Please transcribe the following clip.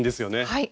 はい。